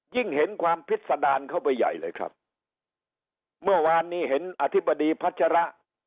ยิ่งเห็นความพิษดารเข้าไปใหญ่เลยครับเมื่อวานนี้เห็นอธิบดีพัชระ